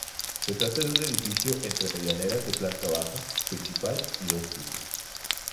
Se trata de un edificio entre medianeras de planta baja, principal y dos pisos.